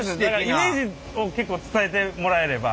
イメージを結構伝えてもらえれば。